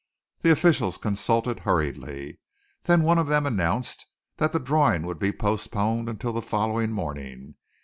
The officials consulted hurriedly. Then one of them announced that the drawing would be postponed until the following morning.